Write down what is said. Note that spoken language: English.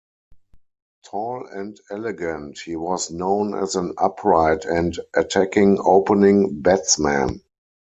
Tall and elegant, he was known as an upright and attacking opening batsman.